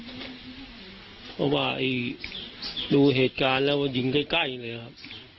เพราะว่าดูเหตุการณ์แล้วมันยิงใกล้เลยครับ